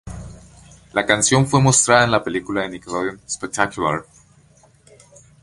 La canción fue mostrada en la película de Nickelodeon, "Spectacular!".